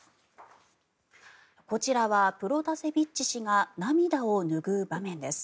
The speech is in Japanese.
こちらはプロタセビッチ氏が涙を拭う場面です。